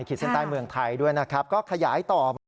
เส้นใต้เมืองไทยด้วยนะครับก็ขยายต่อมา